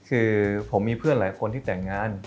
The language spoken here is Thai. คือผมมีเพื่อนหลายคนที่แต่งงาน